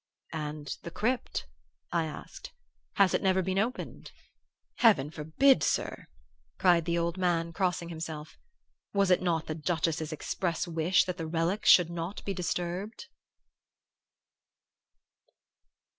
"And the crypt?" I asked. "Has it never been opened?" "Heaven forbid, sir!" cried the old man, crossing himself. "Was it not the Duchess's express wish that the relics should not be disturbed?"